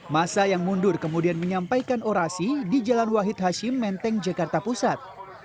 masa yang mundur kemudian menyampaikan orasi di jalan wahid hashim menteng jakarta pusat